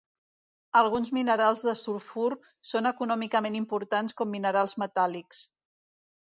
Alguns minerals de sulfur són econòmicament importants com minerals metàl·lics.